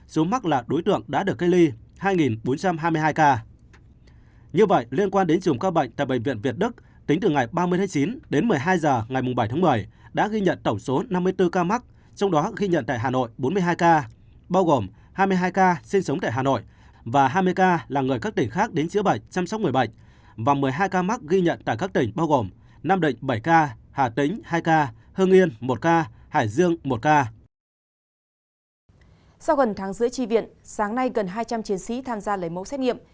sau gần tháng giữa tri viện sáng nay gần hai trăm linh chiến sĩ tham gia lấy mẫu xét nghiệm